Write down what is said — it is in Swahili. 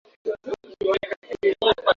na mji wake pacha wa Omdurman mashahidi walisema